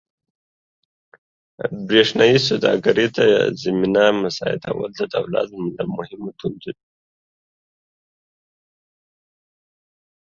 برېښنايي سوداګرۍ ته زمینه مساعدول د دولت له مهمو دندو دي.